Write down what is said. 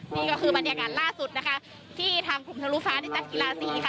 นี่ก็คือบรรยากาศล่าสุดนะคะที่ทางกลุ่มธรภาษณ์กีฬาสีค่ะ